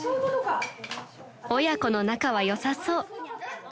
［親子の仲は良さそう］